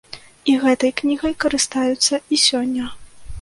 І гэтай кнігай карыстаюцца і сёння.